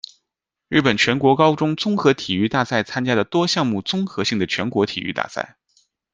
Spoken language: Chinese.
日本全国高中综合体育大赛参加的多项目综合性的全国体育大赛。